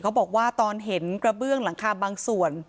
บอกว่าตอนเห็นกระเบื้องหลังคาบางส่วน